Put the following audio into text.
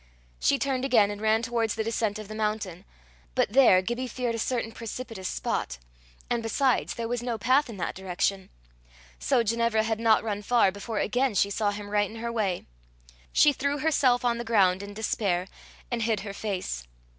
She turned again, and ran towards the descent of the mountain. But there Gibbie feared a certain precipitous spot; and, besides, there was no path in that direction. So Ginevra had not run far before again she saw him right in her way. She threw herself on the ground in despair, and hid her face.